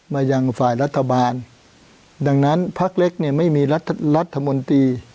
มายังฝ่ายรัฐบาลดังนั้นพักเล็กเนี่ยไม่มีรัฐมนตรี